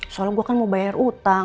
soalnya gue kan mau bayar utang